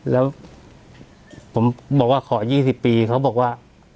แล้วผมบอกว่าขอ๒๐ปีเขาบอกว่า